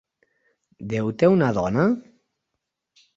Déu té una dona?